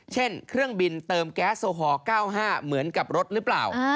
เช่นเครื่องบินเติมแก๊สโอฮอล๙๕เหมือนกับรถหรือเปล่า